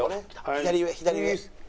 左上左上。